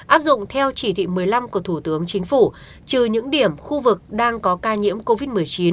áp dụng theo chỉ thị một mươi năm của thủ tướng chính phủ trừ những điểm khu vực đang có ca nhiễm covid một mươi chín